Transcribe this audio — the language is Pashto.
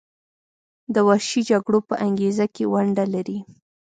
د وحشي جګړو په انګیزه کې ونډه لري.